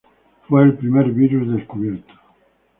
Fue el primer virus descubierto.